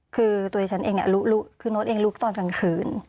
คือตัวเองเองเนี่ยลุกลุกคือโน้ตเองลุกตอนกลางคืน